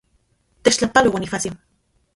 Techtlajpalo, Bonifacio.